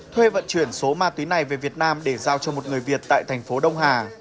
thuê vận chuyển số ma túy này về việt nam để giao cho một người việt tại thành phố đông hà